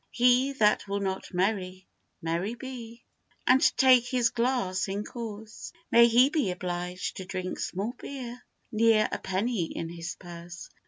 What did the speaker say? He that will not merry, merry be, And take his glass in course, May he be obliged to drink small beer, Ne'er a penny in his purse.